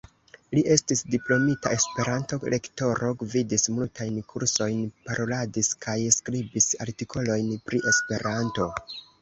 Li estis diplomita Esperanto-lektoro, gvidis multajn kursojn, paroladis kaj skribis artikolojn pri Esperanto.